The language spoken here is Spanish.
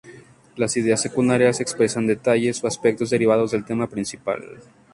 Las ideas secundarias expresan detalles o aspectos derivados del tema principal.